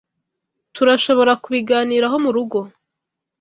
Tturashoborakubiganiraho murugo.